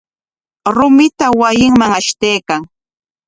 Rumita wasinman ashtaykan.